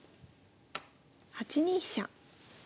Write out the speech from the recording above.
８二飛車。